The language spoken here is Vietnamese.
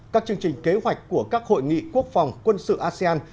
các chương trình kế hoạch của các hội nghị quốc phòng quân sự asean